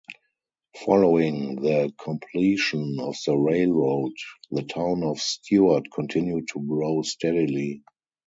Following the completion of the railroad, the town of Stuart continued to grow steadily.